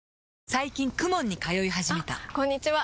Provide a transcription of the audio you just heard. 最近 ＫＵＭＯＮ に通い始めたあこんにちは！